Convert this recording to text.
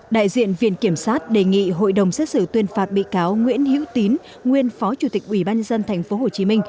đại diện viện kiểm sát đề nghị hội đồng xét xử tuyên phạt bị cáo nguyễn hữu tín nguyên phó chủ tịch ubnd tp hcm